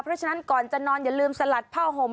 เพราะฉะนั้นก่อนจะนอนอย่าลืมสลัดผ้าห่ม